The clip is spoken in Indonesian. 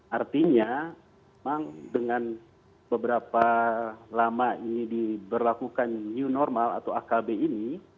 artinya memang dengan beberapa lama ini diberlakukan new normal atau akb ini